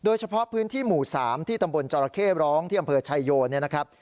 เฉพาะพื้นที่หมู่๓ที่ตำบลจรเข้ร้องที่อำเภอชายโยเนี่ยนะครับ